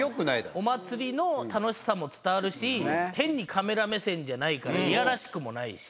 お祭りの楽しさも伝わるし変にカメラ目線じゃないからいやらしくもないし。